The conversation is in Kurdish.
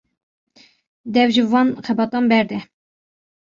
Dev ji van xebatan berde.